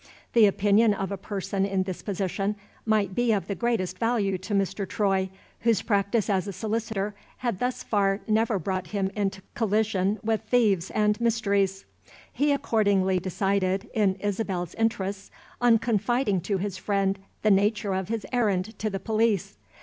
The opinion of a person in this position might be of the greatest value to Mr. Troy, whose practice as a solicitor had thus far never brought him into collision with thieves and mysteries. He accordingly decided, in Isabel's interests, on confiding to his friend the nature of his errand to the police.